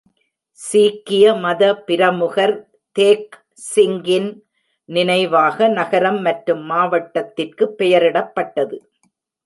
சீக்கிய மத பிரமுகர் தேக் சிங்கின் நினைவாக நகரம் மற்றும் மாவட்டத்திற்கு பெயரிடப்பட்டது.